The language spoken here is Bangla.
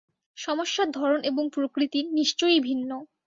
সমস্যার ধরন এবং প্রকৃতি নিশ্চয়ই ভিন্ন।